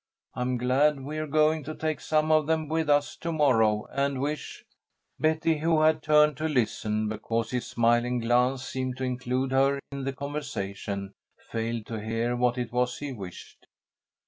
I am glad we are going to take some of them with us to morrow, and wish " Betty, who had turned to listen, because his smiling glance seemed to include her in the conversation, failed to hear what it was he wished.